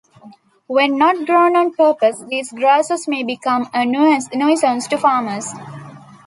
When not grown on purpose, these grasses may become a nuisance to farmers.